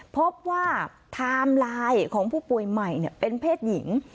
พบว่าไทม์ไลน์ของผู้ป่วยใหม่เป็นเพศหญิง